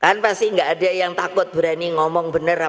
kan pasti gak ada yang takut berani ngomong bener apa